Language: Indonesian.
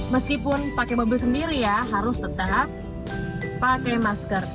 meskipun pakai mobil sendiri ya harus tetap pakai masker